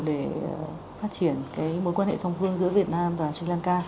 để phát triển mối quan hệ song phương giữa việt nam và sri lanka